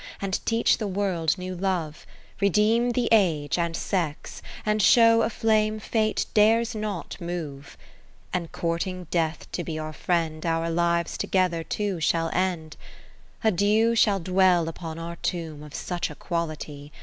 And teach the World new love, 50 Redeem the age and sex, and show A flame Fate dares not move : And courting Death to be our friend. Our lives together too shall end. X A dew shall dwell upon our Tomb Of such a quality.